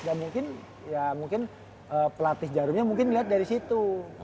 dan mungkin ya pelatih jarumnya mungkin liat dari situ